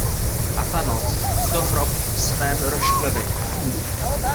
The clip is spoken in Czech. A ta noc - to hrob v svém rozšklebení!